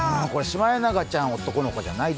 シマエナガちゃん、男の子じゃない？